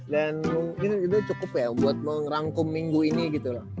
dan mungkin itu cukup ya buat ngerangkum minggu ini gitu loh